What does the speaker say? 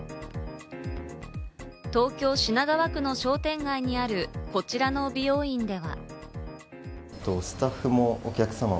東京・品川区の商店街にあるこちらの美容院では。